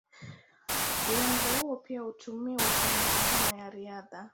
Uwanja huo pia hutumiwa kwa mikutano ya riadha.